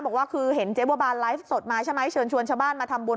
บอกว่าคือเห็นเจ๊บัวบานไลฟ์สดมาใช่ไหมเชิญชวนชาวบ้านมาทำบุญ